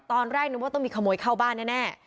ตอนแรกนึกว่าต้องมีขโมยเข้าบ้านแน่